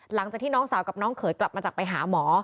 หลังจากที่น้องสาวกับน้องเขยกลับมาจากไปหาหมอ